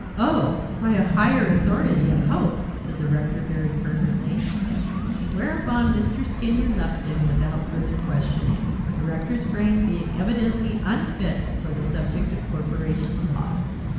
"Oh, by a higher authority, I hope," said the rector very fervently. Whereupon Mr. Skinyer left him without further questioning, the rector's brain being evidently unfit for the subject of corporation law.